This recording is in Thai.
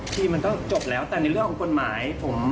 มันก็จบแล้วแต่ในเรื่องของกฎหมายผม